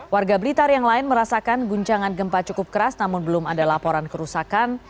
warga blitar yang lain merasakan guncangan gempa cukup keras namun belum ada laporan kerusakan